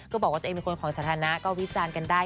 บอกว่าตัวเองเป็นคนของสาธารณะก็วิจารณ์กันได้